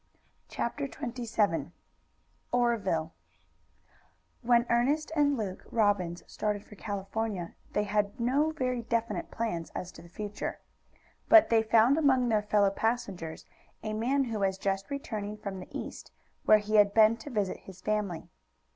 CHAPTER XXVII OREVILLE When Ernest and Luke Robbins started for California, they had no very definite plans as to the future. But they found among their fellow passengers a man who was just returning from the East, where he had been to visit his family.